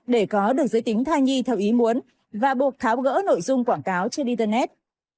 để có được giới tính thai nhi theo ý muốn và buộc tháo gỡ nội dung quảng cáo trên internet